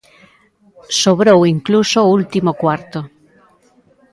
Sobrou incluso o último cuarto.